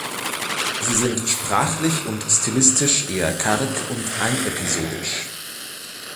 Sie sind sprachlich und stilistisch eher karg und ein-episodisch.